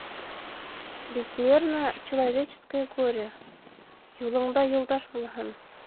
Безмерно человеческое горе, Юлыңда юлдаш булһын